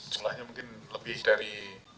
jumlahnya mungkin lebih dari